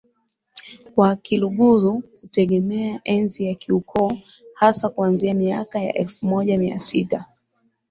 kwa Kiluguru kutegemea enzi ya Kiukoo hasa kuanzia miaka ya elfu moja mia sita